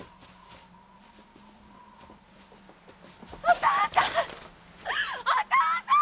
お父さん！